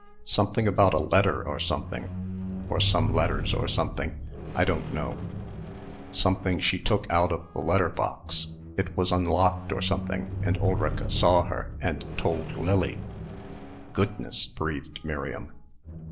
"Something about a letter or something, or some letters or something I don't know. Something she took out of the letter box, it was unlocked or something and Ulrica saw her and told Lily!" "Goodness!" breathed Miriam.